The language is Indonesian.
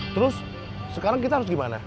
terus sekarang kita harus gimana